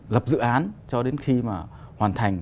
lập dự án cho đến khi mà hoàn thành